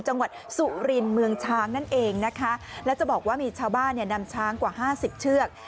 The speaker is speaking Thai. จังหวัดสุรินเมืองช้างนั่นเองนะคะแล้วจะบอกว่ามีชาวบ้านเนี่ยนำช้างกว่าห้าสิบเชือก